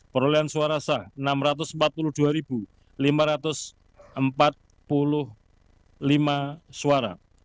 perolehan suara sah enam ratus empat puluh dua lima ratus empat puluh lima suara